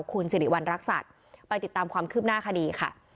คุณสิริวัณรักษัตริย์ไปติดตามความคืบหน้าคดีค่ะ